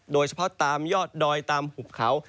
โดยเฉพาะตามยอดดอยตามหุบเขา